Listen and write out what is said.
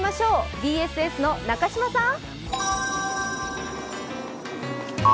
ＢＳＳの中島さん。